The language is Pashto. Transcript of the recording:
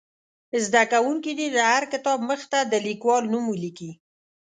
زده کوونکي دې د هر کتاب مخ ته د لیکوال نوم ولیکي.